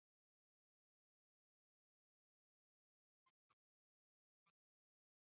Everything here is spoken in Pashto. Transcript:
هلمند سیند د افغانستان د اقلیمي نظام ښکارندوی ده.